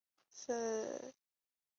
他们计划放火烧他的宫室。